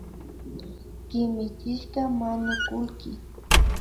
Kimichishka manukullki